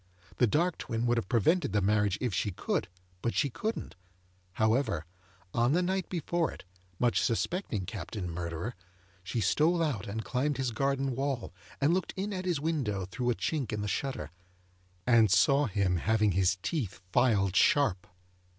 The dark twin would have prevented the marriage if she could, but she couldn't; however, on the night before it, much suspecting Captain Murderer, she stole out and climbed his garden wall, and looked in at his window through a chink in the shutter, and saw him having his teeth filed sharp.